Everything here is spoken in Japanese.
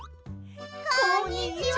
こんにちは！